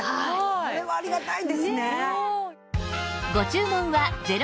これはありがたいですね。